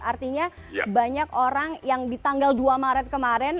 artinya banyak orang yang di tanggal dua maret kemarin